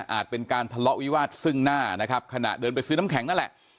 เป็นการทะเลาะวิวาสซึ่งหน้านะครับขณะเดินไปซื้อน้ำแข็งนั่นแหละ